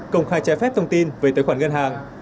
công khai trái phép thông tin về tài khoản ngân hàng